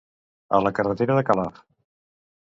A la carretera de Calaf.